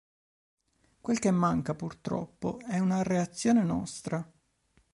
Quel che manca purtroppo è una reazione nostra.